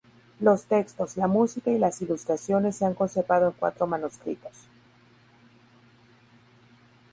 Los textos, la música y las ilustraciones se han conservado en cuatro manuscritos.